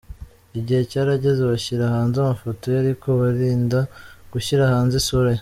Igihe cyarageze bashyira hanze amafoto ye ariko birinda gushyira hanze isura ye.